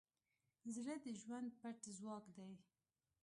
زړه د ژوند پټ ځواک دی.